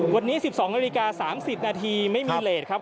วันนี้๑๒นาฬิกา๓๐นาทีไม่มีเลสครับ